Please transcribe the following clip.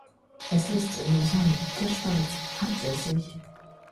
Es ist in Lausanne, der Schweiz, ansässig